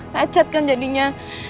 lecet kan jadinya